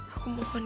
aku mohon ya allah